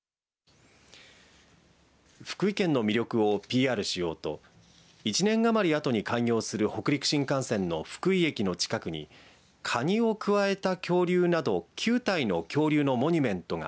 福井県の魅力をＰＲしようと１年余りあとに開業する北陸新幹線の福井県の近くにカニをくわえた恐竜など９体の恐竜のモニュメントが